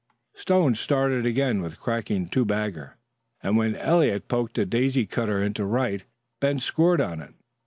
Stone started it again with a cracking two bagger, and, when Eliot poked a daisy cutter into right, Ben scored on it.